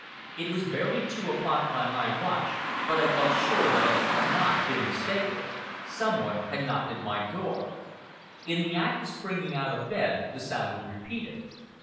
It was barely two o'clock by my watch, but I felt sure that I had not been mistaken. Some one had knocked at my door. In the act of springing out of bed the sound was repeated.